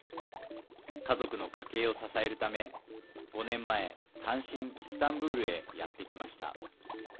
家族の家計を支えるため５年前、単身イスタンブールへやって来ました。